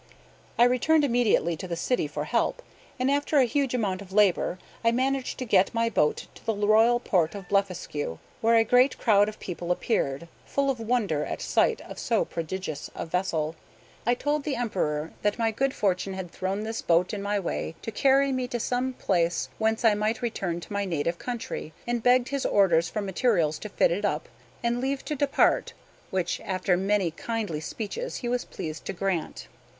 I returned immediately to the city for help, and after a huge amount of labor I managed to get my boat to the royal port of Blefuscu, where a great crowd of people appeared, full of wonder at sight of so prodigious a vessel. I told the Emperor that my good fortune had thrown this boat in my way to carry me to some place whence I might return to my native country, and begged his orders for materials to fit it up, and leave to depart which, after many kindly speeches, he was pleased to grant.